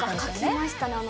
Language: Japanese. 書きました。